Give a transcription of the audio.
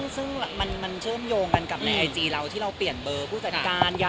ซึ่งมันเชื่อมโยงกันกับในไอจีเราที่เราเปลี่ยนเบอร์ผู้จัดการ